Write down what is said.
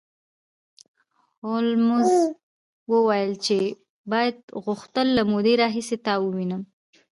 هولمز وویل چې ما غوښتل له مودې راهیسې تا ووینم